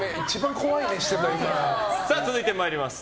続いて参ります。